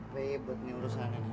ribut nih urusan ini